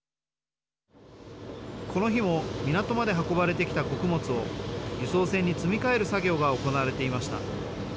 この日も港まで運ばれてきた穀物を輸送船に積み替える作業が行われていました。